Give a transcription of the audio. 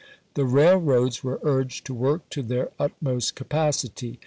The railroads were urged to work to their utmost capacity.